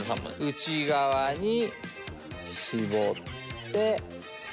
内側に絞って。